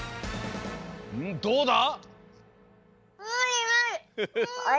どうだ？